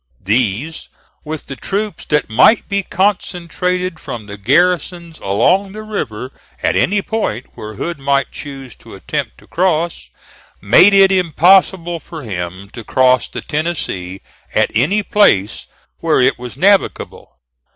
These, with the troops that might be concentrated from the garrisons along the river at any point where Hood might choose to attempt to cross, made it impossible for him to cross the Tennessee at any place where it was navigable.